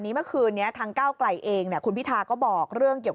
เมื่อคืนนี้ทางก้าวไกลเองคุณพิธาก็บอกเรื่องเกี่ยว